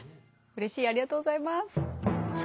うれしいありがとうございます。